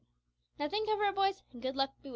Now, think over it, boys, an' good luck be wid ye."